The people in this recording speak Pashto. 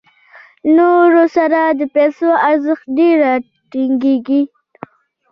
نو ورسره د پیسو ارزښت ډېر راټیټېږي